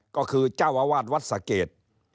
ก็คือเจ้าอาวาสวัดสะเกด